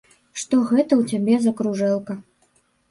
Што гэта ў цябе за кружэлка.